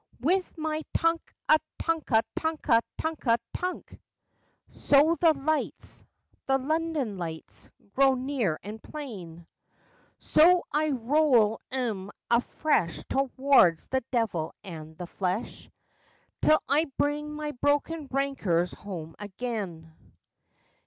With my "Tunk a tunka tunka tunka tunk!" [So the lights the London lights grow near and plain!] So I rowel 'em afresh towards the Devil and the Flesh, Till I bring my broken rankers home again.